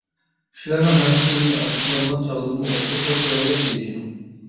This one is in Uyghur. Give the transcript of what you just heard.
كىشىلەرنىڭ ھەممىسى مېنى ئاچچىقلانغان چاغدىمۇ ئوخشاشلا چىرايلىق دېيىشىدۇ.